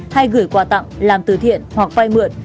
hay gửi quà tặng làm từ thiện hoặc vay mượn